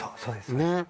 そうです